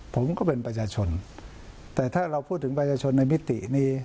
ผมก็เป็นประชาชนแต่ถ้าเราพูดถึงประชาชนในมิตินี้